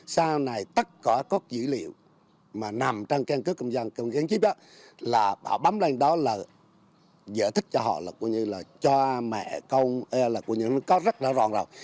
sau này tất cả các dữ liệu mà nằm trong căn cước công dân căn cước chiếc đó là bảo bấm lên đó là giải thích cho họ là của như là cho mẹ công là của như là có rất rõ ràng rồi